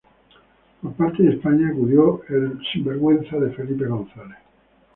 Por parte de España acudió el expresidente Felipe González.